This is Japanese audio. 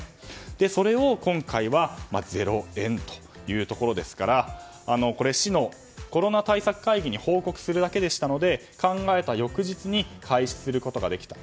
それを今回は０円ということですから市のコロナ対策会議に報告するだけでしたので考えた翌日に開始することができた。